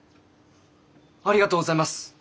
ありがとうございます！